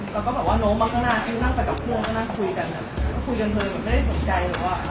เราก็แบบว่าน้องมาข้างหน้าที่นั่งไปกับคนก็นั่งคุยกันน่ะ